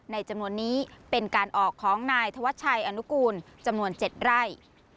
จำนวนนี้เป็นการออกของนายธวัชชัยอนุกูลจำนวน๗ไร่